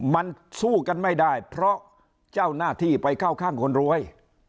มันสู้กันไม่ได้เพราะเจ้าหน้าที่ไปเข้าข้างคนรวย